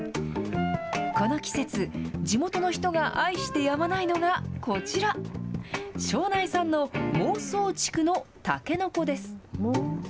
この季節、地元の人が愛してやまないのがこちら、庄内産の孟宗竹のたけのこです。